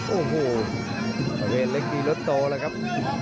โอ้โหบริเวณเล็กมีรถโตแล้วครับ